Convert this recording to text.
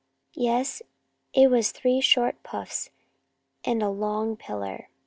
Yes, it was three short puffs and a long pillar.